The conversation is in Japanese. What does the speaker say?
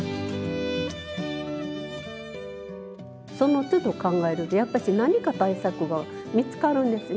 そのつど考えるんでやっぱし何か対策が見つかるんですね。